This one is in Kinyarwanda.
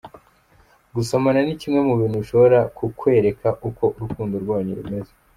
Gusomana ni kimwe mu bintu bishobora ku kwereka uko urukundo rwanyu rumeze.